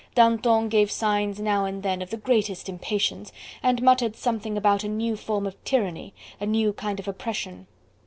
Danton gave signs now and then of the greatest impatience, and muttered something about a new form of tyranny, a new kind of oppression.